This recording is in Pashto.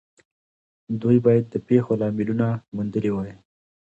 دوی بايد د پېښو لاملونه موندلي وای.